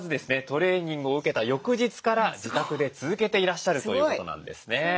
トレーニングを受けた翌日から自宅で続けていらっしゃるということなんですね。